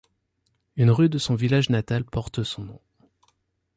Une rue de son village natal porte son nom.